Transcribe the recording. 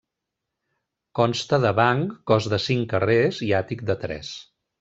Consta de banc, cos de cinc carrers i àtic de tres.